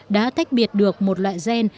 đã tách biệt được một loại gen